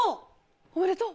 おめでとう？